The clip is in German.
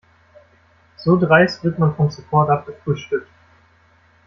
So dreist wird man vom Support abgefrühstückt.